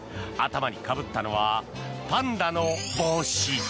頭にかぶったのはパンダの帽子。